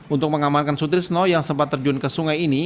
untuk mengamankan sutrisno yang sempat terjun ke sungai ini